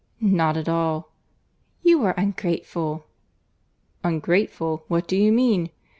"Not at all." "You are ungrateful." "Ungrateful!—What do you mean?"